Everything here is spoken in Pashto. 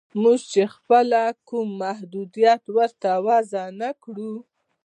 موږ چې خپله کوم محدودیت ورته وضع نه کړو